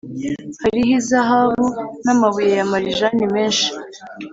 hariho izahabu n’amabuye ya marijani menshi,